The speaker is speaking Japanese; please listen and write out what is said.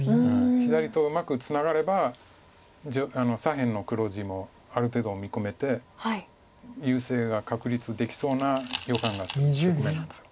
左とうまくツナがれば左辺の黒地もある程度見込めて優勢が確立できそうな予感がする局面です。